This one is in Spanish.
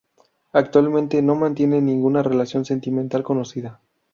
Actualmente no mantiene ninguna relación sentimental conocida.